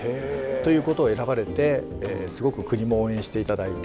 ということを選ばれてすごく国も応援していただいて。